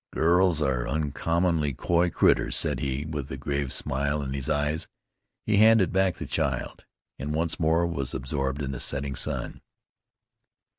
"Girls are uncommon coy critters," said he, with a grave smile in his eyes. He handed back the child, and once more was absorbed in the setting sun.